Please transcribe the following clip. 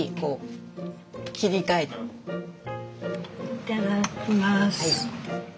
いただきます。